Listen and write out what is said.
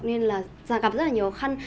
nên là gặp rất là nhiều khăn